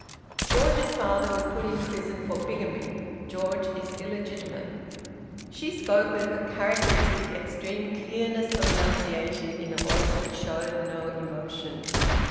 "George's father was put in prison for bigamy. George is illegitimate." She spoke with her characteristic extreme clearness of enunciation, in a voice that showed no emotion.